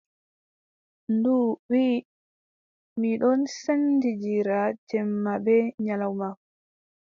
Ndu wii: mi ɗon sendindira jemma bee nyalawma.